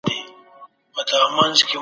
د مطالعې دایره باید پراخه سي.